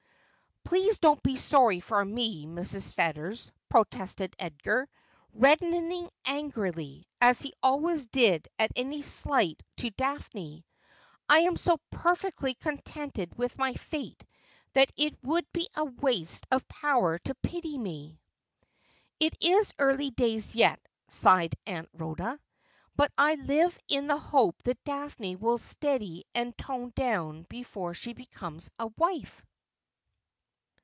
' Please don't be sorry for me, Mrs. Ferrers,' protested Edgar, reddening angrily, as he always did at any slight to Daphne ;' I am so perfectly contented v/ith my fate that it would be a waste of power to pity me.' ' It is early days yet,' sighed Aunt Rhoda. ' But I live in the hope that Daphne will steady and tone down before she becomes a wife.'